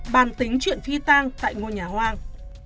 bàn tính chuyện phi tang tại ngôi nhà hoang